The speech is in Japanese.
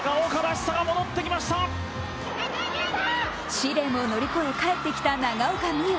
試練を乗り越え帰ってきた長岡望悠。